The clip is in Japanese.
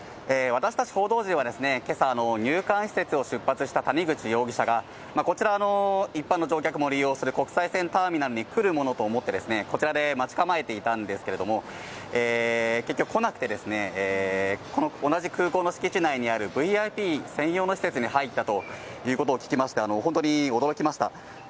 私たち報道陣はけさ、入管施設を出発した谷口容疑者が、こちら一般の乗客も利用する国際線ターミナルに来るものと思って、こちらで待ち構えていたんですけれども、結局来なくて、この同じ空港の敷地内にあるＶＩＰ専用の施設に入ったということを聞きまして、本当に驚きました。